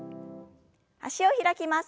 脚を開きます。